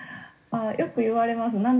よく言われます。